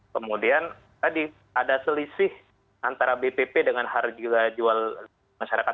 kemudian tadi ada selisih antara bpp dengan harga jual masyarakat